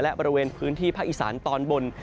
และบริเวณพื้นที่ภาคอีสานตอนบน